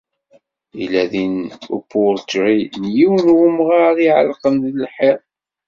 Yella din upurṭri n yiwen n wemɣar i iεellqen deg lḥiḍ.